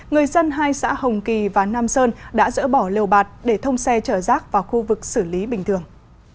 người dân hai xã hồng kỳ và nam sơn đã dỡ bỏ liều bạt để thông xe chở rác vào khu vực xử lý bình thường